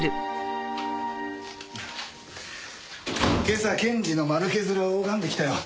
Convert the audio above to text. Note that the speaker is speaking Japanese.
今朝検事の間抜け面を拝んできたよ。